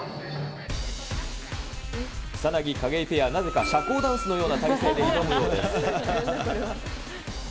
草薙・景井ペア、なぜか社交ダンスのような体勢で挑むようです。